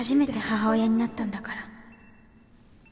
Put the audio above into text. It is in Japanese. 母親になったんだから。